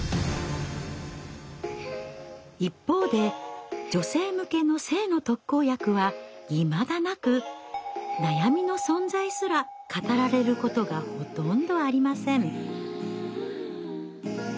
一方で女性向けの性の特効薬はいまだなく悩みの存在すら語られることがほとんどありません。